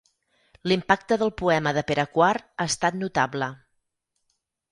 L'impacte del poema de Pere Quart ha estat notable.